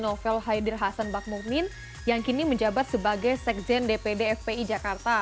novel haider hasan bakmumin yang kini menjabat sebagai sekzen dpd fpi jakarta